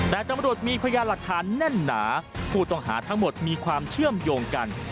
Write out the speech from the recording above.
แต่ตำรวจมีพยานหลักฐานแน่นหนาผู้ต้องหาทั้งหมดมีความเชื่อมโยงกัน